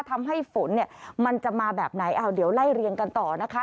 ทำให้ฝนเนี่ยมันจะมาแบบไหนเอาเดี๋ยวไล่เรียงกันต่อนะคะ